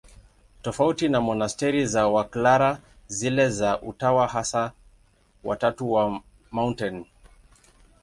Tofauti na monasteri za Waklara, zile za Utawa Hasa wa Tatu wa Mt.